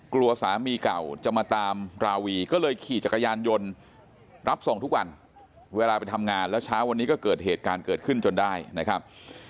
กลัวสามีเก่าจะมาตามราวีก็เลยขี่จักรยานยนต์รับส่งทุกวันเวลาไปทำงานแล้วเช้าวันนี้ก็เกิดเหตุการณ์เกิดขึ้นจนได้นะครับ